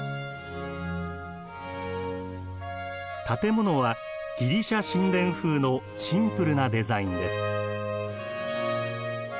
建物はギリシャ神殿風のシンプルなデザインです。